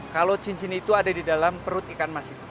kalau cincin itu ada di dalam perut ikan mas itu